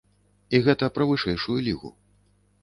І гэта пра вышэйшую лігу.